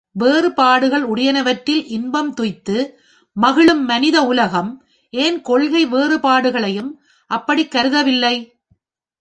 வேறுபாடுகள் உடையனவற்றில் இன்பம் துய்த்து மகிழும் மனித உலகம், ஏன் கொள்கை வேறுபாடுகளையும், அப்படிக் கருதவில்லை.